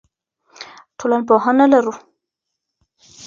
ټولنپوهنه لرو.